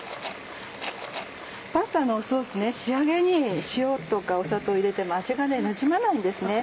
パスタのソース仕上げに塩とか砂糖を入れても味がなじまないんですね。